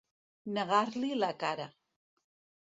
Negar-li la cara.